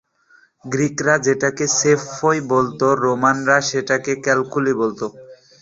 গ্রিকরা যেটাকে "স্পেফোই" বলত, রোমানরা সেটাকে "ক্যালকুলি" বলত।